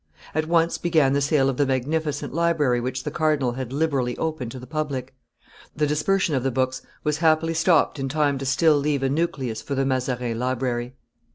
At once began the sale of the magnificent library which the cardinal had liberally opened to the public. The dispersion of the books was happily stopped in time to still leave a nucleus for the Mazarin Library.